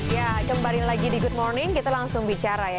ya kembali lagi di good morning kita langsung bicara ya